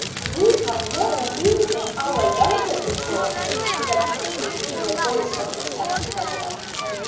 "We have never been in our London before," said Kathleen in a voice of intense pleasure.